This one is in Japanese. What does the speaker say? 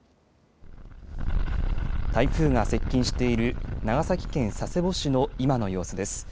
台風が接近している長崎県佐世保市の今の様子です。